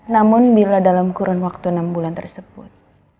namun bila dalam kurun waktu enam bulan tersebut